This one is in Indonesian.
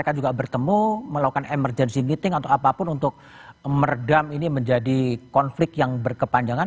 mereka juga bertemu melakukan emergency meeting atau apapun untuk meredam ini menjadi konflik yang berkepanjangan